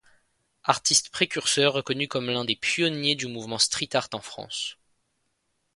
Artiste précurseur, reconnu comme l'un des pionniers du mouvement Street Art en France.